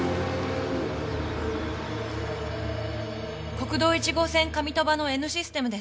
国道１号線上鳥羽のＮシステムです。